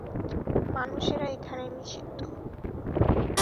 মানুষেরা এখানে নিষিদ্ধ!